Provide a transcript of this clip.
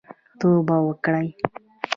توبه وکړئ